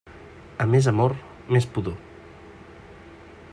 A més amor, més pudor.